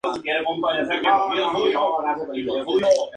Se encuentra dentro de una casa de piedra, en una gruta.